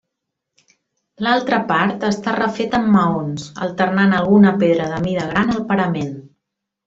L'altra part està refeta amb maons, alternant alguna pedra de mida gran al parament.